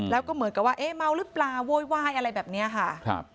แล้วก็เหมือนกับว่าเอ๊ะเมาลึกปลาโว้ยไหว้อะไรแบบนี้ค่ะครับ